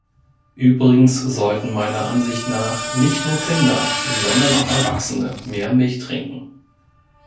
Übrigens sollten meiner Ansicht nach nicht nur Kinder, sondern auch Erwachsene mehr Milch trinken.